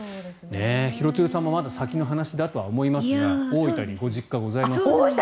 廣津留さんもまだ先の話だとは思いますが大分にご実家がございます。